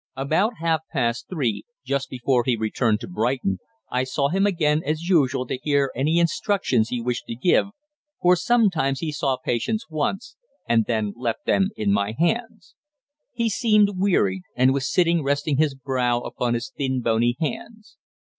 About half past three, just before he returned to Brighton, I saw him again as usual to hear any instructions he wished to give, for sometimes he saw patients once, and then left them in my hands. He seemed wearied, and was sitting resting his brow upon his thin bony hands.